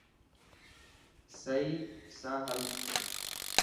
سهي سان هل.